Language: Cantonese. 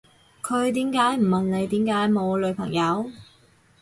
佢點解唔問你點解冇女朋友